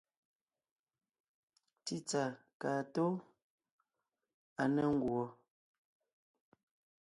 Tsítsà kaa tóo, à ne ńguɔ.